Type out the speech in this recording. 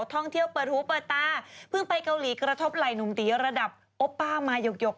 ท่องเที่ยวเปิดหูเปิดตาเพิ่งไปเกาหลีกระทบไหล่หนุ่มตีระดับโอป้ามาหยก